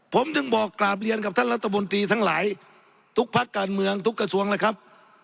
ผมถึงบอกกราบเรียนกับท่านรัฐบนตรีทั้งหลายทุกพักการเมืองทุกกระทรวงเลยครับ